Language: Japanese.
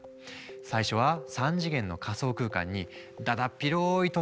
最初は３次元の仮想空間にだだっ広い土地があるだけ。